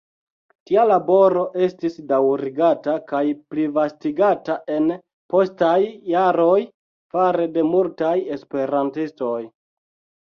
Tia laboro estis daŭrigata kaj plivastigata en postaj jaroj, fare de multaj esperantistoj.